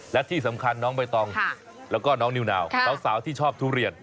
และที่สำคัญน้องใบตองแล้วก็น้องนิวนาวสาวที่ชอบทุเรียน